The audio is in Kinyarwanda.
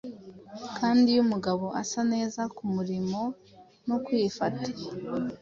kandi iyo umugabo asa neza Kumurimo no kwifata